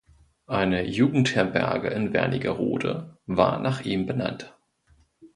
Eine Jugendherberge in Wernigerode war nach ihm benannt.